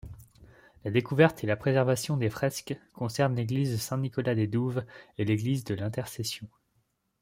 La découverte et la préservation des fresques concerne l'église Saint-Nicolas-des-Douves et l'église de l'Intercession.